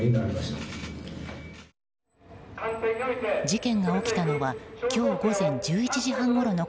事件が起きたのは今日午前１１時半ごろの